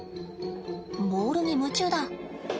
ボールに夢中だ。